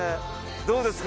どうですか？